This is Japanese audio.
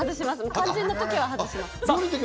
肝心のときは外します。